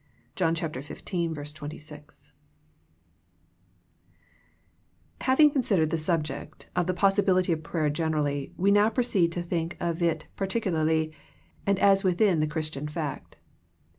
— John 15: 26. Ill THE PLATFORM OF PRAYER IlAViNa considered the subject of the possi bility of prayer generally, we now proceed to think of it particularly, and as within the Chris tian fact.